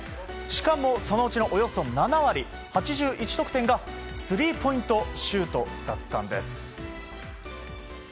しかもそのうちのおよそ７割８１得点がスリーポイントシュートだったんです。